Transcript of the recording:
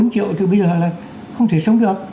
bốn triệu thì bây giờ là không thể sống được